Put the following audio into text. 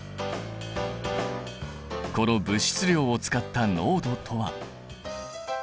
この物質量を使った濃度とは。